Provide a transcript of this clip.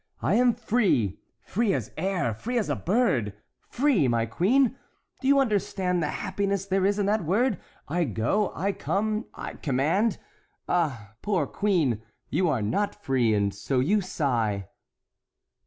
I am free—free as air, free as a bird,—free, my queen! Do you understand the happiness there is in that word? I go, I come, I command. Ah, poor queen, you are not free—and so you sigh."